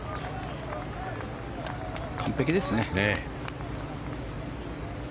完璧ですね。